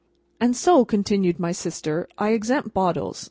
"And so," continued my sister, "I exempt Bottles.